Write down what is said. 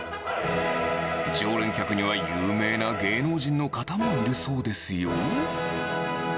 常連客には有名な芸能人の方もいるそうですよ。